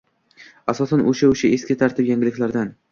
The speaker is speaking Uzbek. Asosan o‘sha-o‘sha eski tarkib, yangiliklardan